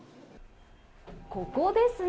ここですね。